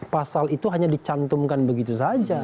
pasal itu hanya dicantumkan begitu saja